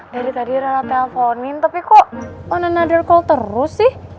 dari tadi ralat teleponin tapi kok on another call terus sih